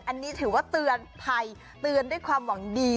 อันนี้ถือว่าเตือนภัยเตือนด้วยความหวังดี